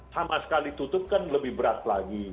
sama sekali tutup kan lebih berat lagi